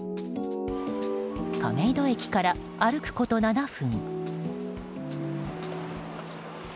亀戸駅から歩くこと７分。